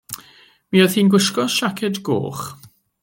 Mi oedd hi'n gwisgo siaced goch.